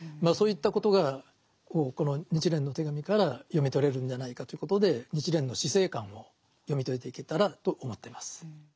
そういったことがこの「日蓮の手紙」から読み取れるんじゃないかということで日蓮の死生観を読み解いていけたらと思ってます。